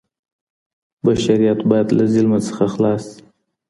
بشریت باید له ظلم څخه خلاص سي.